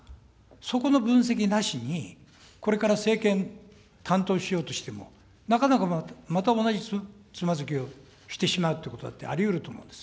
そこの分析なしに、これから政権担当しようとしても、なかなか、また同じつまずきをしてしまうということだって、ありうると思うんです。